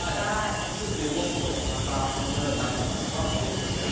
数手動くとまたこのようになってますから。